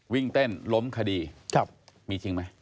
วิ่งเต้นล้มคดีมีจริงไหม